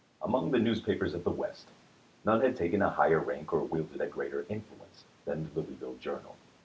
Among the newspapers of the West, none had taken a higher rank or wielded a greater influence than the " Louisville Journal."